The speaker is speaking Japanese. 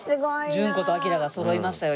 順子とあきらがそろいましたよ